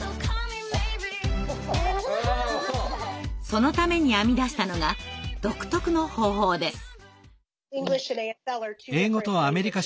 そのために編み出したのが独特の方法です。